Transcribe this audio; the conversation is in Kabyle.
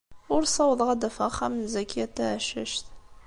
Ur ssawḍeɣ ad d-afeɣ axxam n Zakiya n Tɛeccact.